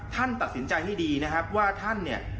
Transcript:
ท่านตัดสินใจให้ดีนะครับว่าท่านเนี่ย